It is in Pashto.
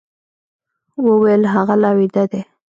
وويل هغه لا ويده دی.